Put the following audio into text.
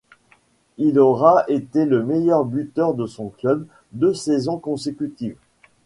Il aura été le meilleur buteur de son club deux saisons consécutives.